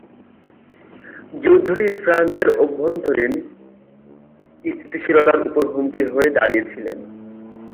যুদ্ধটি ফ্রান্সের অভ্যন্তরীণ স্থিতিশীলতার উপর হুমকি হয়ে দাঁড়িয়েছিল।